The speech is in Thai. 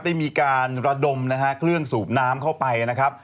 ได้มีการระดมนะฮะเครื่องสูบน้ำเข้าไปนะครับ